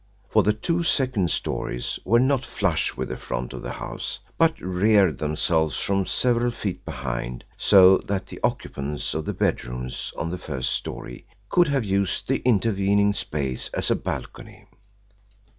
For the two second stories were not flush with the front of the house, but reared themselves from several feet behind, so that the occupants of the bedrooms on the first story could have used the intervening space as a balcony.